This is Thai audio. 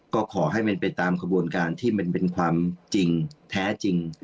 ก็ขอให้เป็นไปตามกระบวนการที่มันเป็นความจริงแท้จริง